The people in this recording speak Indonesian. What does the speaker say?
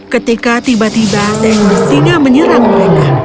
ketika tiba tiba ada yang bersinga menyerang mereka